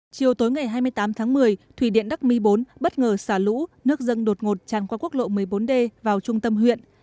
chiều tối ngày hai mươi tám tháng một mươi thủy điện đắc mi bốn bất ngờ xả lũ nước dâng đột ngột tràn qua quốc lộ một mươi bốn d vào trung tâm huyện